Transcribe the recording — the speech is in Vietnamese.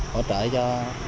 hỗ trợ cho